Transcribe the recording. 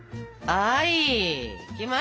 はい！